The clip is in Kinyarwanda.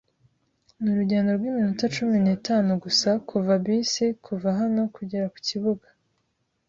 Ni urugendo rw'iminota cumi n'itanu gusa kuva bisi kuva hano kugera kukibuga.